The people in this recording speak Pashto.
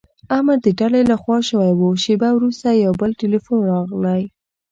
امر د ډلې له خوا شوی و، شېبه وروسته یو بل ټیلیفون راغلی.